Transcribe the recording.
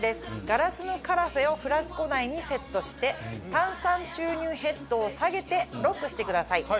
ガラスのカラフェをフラスコ内にセットして炭酸注入ヘッドを下げてロックしてください。